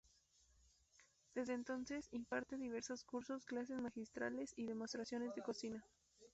Desde entonces imparte diversos cursos, clases magistrales y demostraciones de cocina.